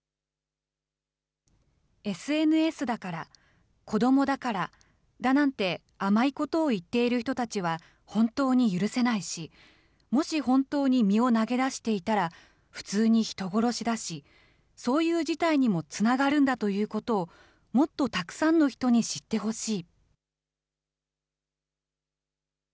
ＳＮＳだから、子どもだからだなんて、甘いことを言っている人たちは、本当に許せないし、もし本当に身を投げ出していたら、普通に人殺しだし、そういう事態にもつながるんだということを、もっとたくさんの人に知ってほしい。